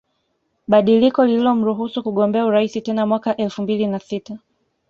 Badiliko lililomruhusu kugombea urais tena mwaka elfu mbili na sita